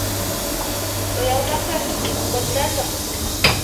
Оялмаҫы, бында сыҡ!